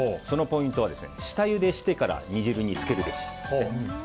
そのポイントは下ゆでしてから煮汁につけるべし。